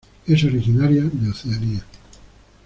Es originario de Oceanía.